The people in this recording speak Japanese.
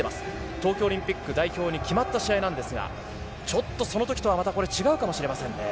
東京オリンピック代表に決まった試合ですが、ちょっとその時とは違うかもしれませんね。